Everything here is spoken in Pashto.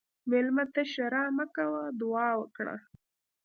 مېلمه ته ښیرا مه کوه، دعا وکړه.